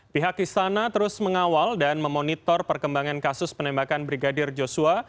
pihak istana terus mengawal dan memonitor perkembangan kasus penembakan brigadir joshua